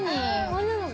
女の子？